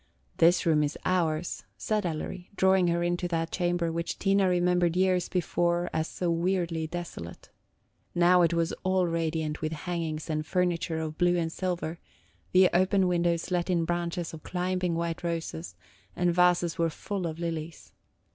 "This room is ours," said Ellery, drawing her into that chamber which Tina remembered years before as so weirdly desolate. Now it was all radiant with hangings and furniture of blue and silver; the open windows let in branches of climbing white roses, the vases were full of lilies.